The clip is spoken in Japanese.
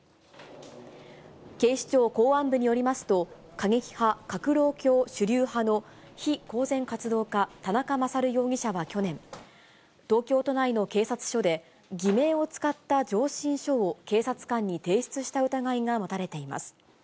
警視庁公安部によりますと、過激派・革労協主流派の非公然活動家、田中優容疑者は去年、東京都内の警察署で、偽名を使った上申書を警察官に提出した疑いが持たれています。